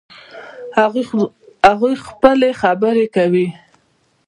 هغوی خپلې خبرې کوي